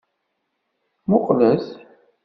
Muqqlet.